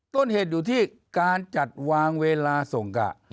ต้นเหตุอยู่ที่การจัดวางเวลาส่งกะ